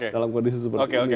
dalam kondisi seperti ini